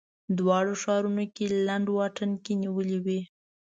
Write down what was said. دواړو ښارونو کې لنډ واټن کې نیولې وې.